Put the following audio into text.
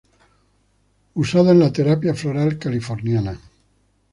Usada en la Terapia floral californiana.